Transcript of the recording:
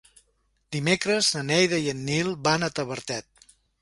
Dimecres na Neida i en Nil van a Tavertet.